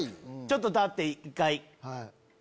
ちょっと立って一回。